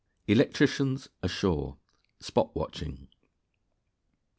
_Electricians Ashore: "Spot watching."